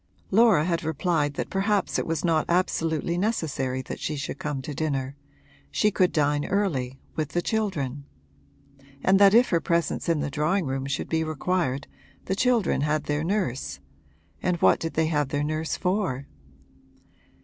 Laura had replied that perhaps it was not absolutely necessary that she should come to dinner she could dine early, with the children; and that if her presence in the drawing room should be required the children had their nurse and what did they have their nurse for?